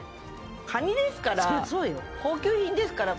カニですから高級品ですからそりゃそうよ